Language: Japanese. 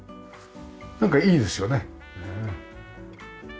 なんかいいですよね。